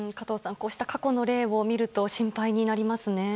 こうした過去の例を見ると心配になりますね。